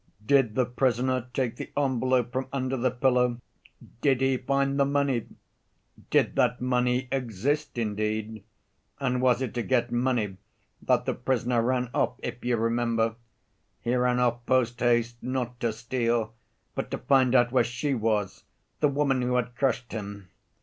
Did the prisoner take the envelope from under the pillow, did he find the money, did that money exist indeed? And was it to get money that the prisoner ran off, if you remember? He ran off post‐haste not to steal, but to find out where she was, the woman who had crushed him.